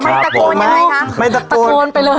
ตะโกนยังไงคะตะโกนไปเลย